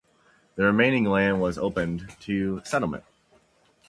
The remaining land was opened to settlement.